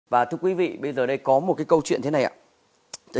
và thưa quý vị bây giờ đây có một cái câu chuyện thế này ạ